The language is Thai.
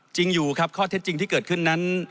จริงอยู่ครับข้อเท็จจริงที่เกิดขึ้นนั้น